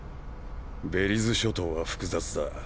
ベリズ諸島は複雑だ。